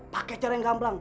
pakai cara yang gamplang